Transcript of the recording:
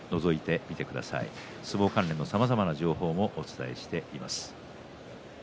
相撲関連のさまざまな情報をお伝えしています。